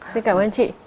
xin cảm ơn chị